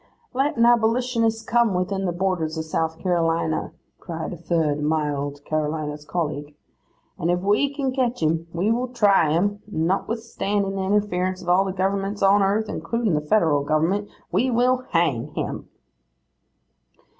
'—'Let an abolitionist come within the borders of South Carolina,' cries a third; mild Carolina's colleague; 'and if we can catch him, we will try him, and notwithstanding the interference of all the governments on earth, including the Federal government, we will HANG him.